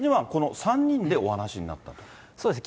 そうですね。